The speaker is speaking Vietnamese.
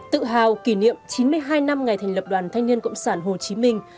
tự hào kỷ niệm chín mươi hai năm ngày thành lập đoàn thanh niên cộng sản hồ chí minh